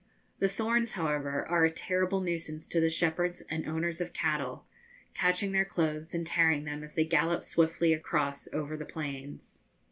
The thorns, however, are a terrible nuisance to the shepherds and owners of cattle, catching their clothes and tearing them as they gallop swiftly across over the plains.